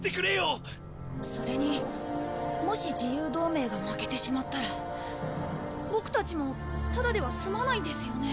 それにもし自由同盟が負けてしまったらボクたちもただでは済まないんですよね？